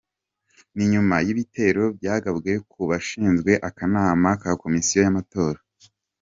Ni nyuma y’ibitero byagabwe ku bashinzwe akanama ka Komisiyo y’Amatora.